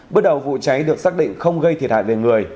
bước đầu vụ cháy được xác định không gây thiệt hại về người